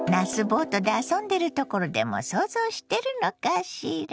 ボートで遊んでるところでも想像してるのかしら？